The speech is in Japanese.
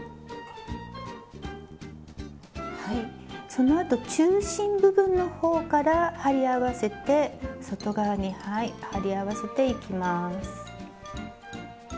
そのあと中心部分の方から貼り合わせて外側に貼り合わせていきます。